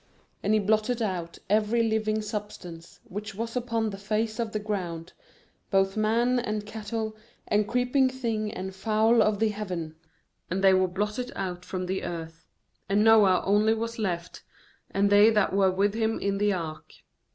^And He blotted out every living substance which was upon the face of the ground, both man, and cattle, and creeping thing, and fowl of the heaven; and they were blotted out from the earth; and Noah only was left, and they that were with him in the ark.